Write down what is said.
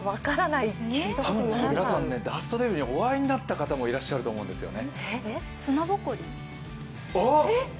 多分、皆さんダストデビルにお会いになった方もいらっしゃるんですよね。